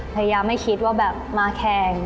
พยายามไม่คิดว่าแบบมาแข่ง